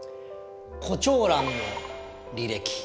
「コチョウランの履歴」。